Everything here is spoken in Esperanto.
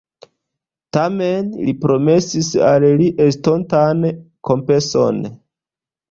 Tamen, li promesis al li estontan kompenson.